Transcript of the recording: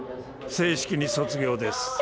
正式に卒業です。